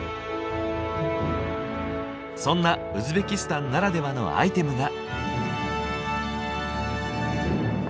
そんなウズベキスタンならではのアイテムが。